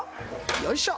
よいしょ。